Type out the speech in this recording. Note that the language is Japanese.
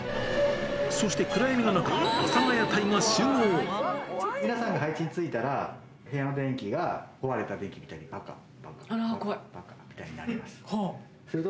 そして暗闇の中、阿佐ヶ谷隊が集皆さんが配置に就いたら、部屋の電気が壊れた電気みたいに、ぱっと。